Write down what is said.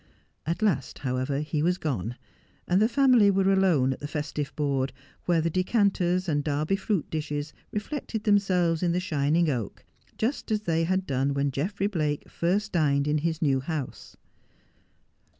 At last, however, he was gone, and the family were alone at the festive board, where the decanters and Derby fruit dishes reflected themselves in the shining oak, just as they had done when Geoffrey Blake first dined in his new house.